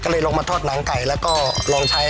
ก็เลยลงมาทอดหนังไก่แล้วก็ลองใช้